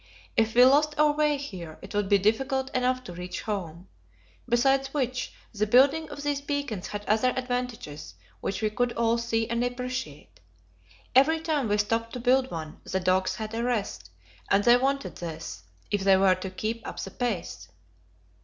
If we lost our way here, it would be difficult enough to reach home. Besides which, the building of these beacons had other advantages, which we could all see and appreciate. Every time we stopped to build one, the dogs had a rest, and they wanted this, if they were to keep up the pace.